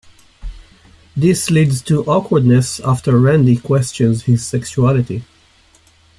This leads to awkwardness after Randy questions his sexuality.